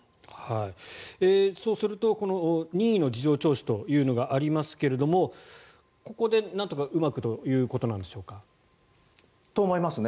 そうすると任意の事情聴取というものがありますがここでなんとかうまくということなのでしょうか。と思いますね。